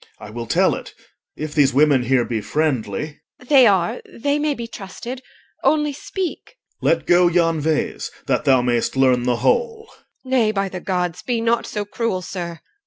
OR. I will tell it, if these women here be friendly. EL. They are. They may be trusted. Only speak. OR. Let go yon vase, that thou may'st learn the whole. EL. Nay, by the Gods! be not so cruel, sir! OR.